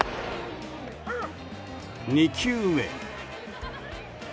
２球目。